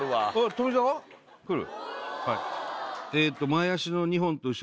富澤来る？